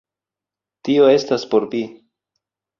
Tio estas por vi!